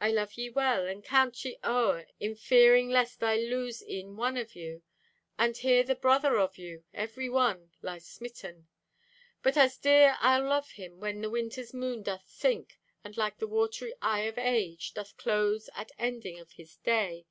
I love ye well, and count ye o'er In fearing lest I lose e'en one of you. And here the brother of you, every one, Lies smitten! But as dear I'll love him When the winter's moon doth sink; And like the watery eye of age Doth close at ending of his day.